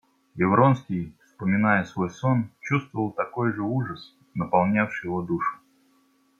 И Вронский, вспоминая свой сон, чувствовал такой же ужас, наполнявший его душу.